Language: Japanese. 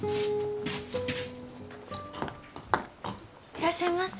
・いらっしゃいませ。